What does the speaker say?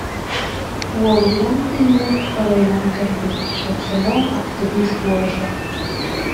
Уолугунан тыыммыт, оройунан көрбүт комсомол, ахтыбыыс уол этэ